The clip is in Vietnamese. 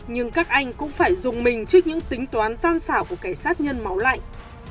nhưng các anh cũng phải dùng mình trước những tính toán gian xảo của cảnh sát nhân máu lạnh